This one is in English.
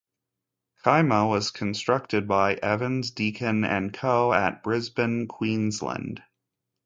"Kiama" was constructed by Evans Deakin and Co, at Brisbane, Queensland.